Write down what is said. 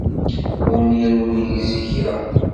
Munir ur yegzi kra.